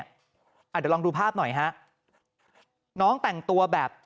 เดี๋ยวลองดูภาพหน่อยฮะน้องแต่งตัวแบบ